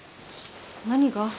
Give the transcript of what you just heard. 何が？